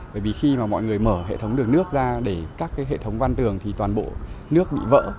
bởi vì khi mà mọi người mở hệ thống đường nước ra để các hệ thống văn tường thì toàn bộ nước bị vỡ